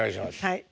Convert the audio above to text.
はい。